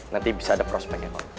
nanti bisa ada prospeknya pak